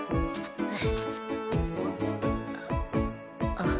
あっ。